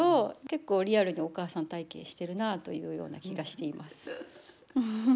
結構リアルにお母さん体験してるなというような気がしています。